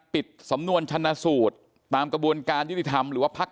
ปิดสำนวนชนะสูตรตามกระบวนการยุติธรรมหรือว่าพัก